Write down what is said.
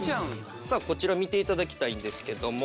さあこちら見て頂きたいんですけども